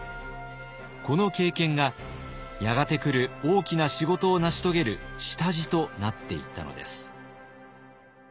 この経験がやがて来る大きな仕事を成し遂げる下地となっていったのです。